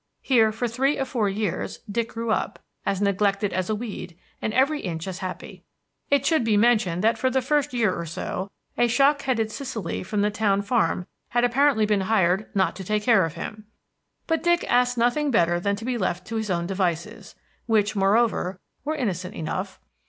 Here, for three of four years, Dick grew up, as neglected as a weed, and every inch as happy. It should be mentioned that for the first year or so a shock headed Cicely from the town farm had apparently been hired not to take care of him. But Dick asked nothing better than to be left to his own devices, which, moreover, were innocent enough.